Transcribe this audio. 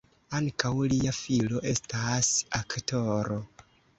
Ankaŭ lia filo estas aktoro.